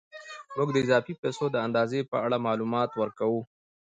موږ د اضافي پیسو د اندازې په اړه معلومات ورکوو